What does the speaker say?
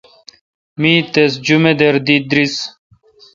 می تس جمدار دی درس۔